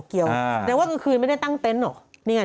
เมื่อคืนไม่ได้ตั้งเตนท์เนี่ย